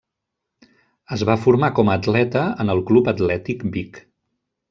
Es va formar com a atleta en el Club Atlètic Vic.